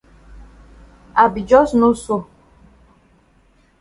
I be jus know so.